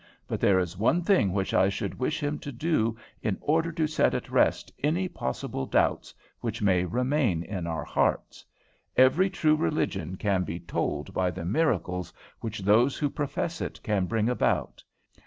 "But there is one thing which I should wish him to do in order to set at rest any possible doubts which may remain in our hearts. Every true religion can be told by the miracles which those who profess it can bring about.